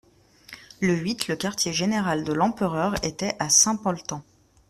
Le huit, le quartier-général de l'empereur était à Saint-Polten.